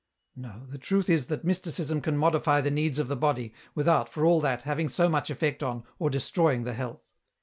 " No, the truth is that mysticism can modify the needs of the body, without, for all that, having much effect on, or 222 EN ROUTE. destroying the health.